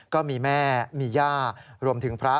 ก็มีแม่มีย่ารวมถึงพระ